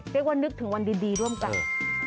เรียกว่านึกถึงวันดีร่วมกัน